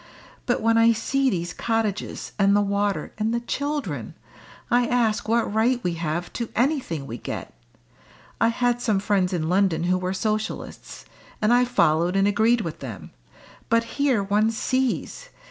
But when I see these cottages, and the water, and the children, I ask what right we have to anything we get. I had some friends in London who were Socialists, and I followed and agreed with them, but here one sees!